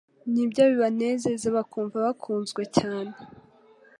nibyo bibanezeza bakumva bakunzwe cyane.